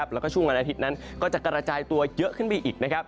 แล้วก็ช่วงวันอาทิตย์นั้นก็จะกระจายตัวเยอะขึ้นไปอีก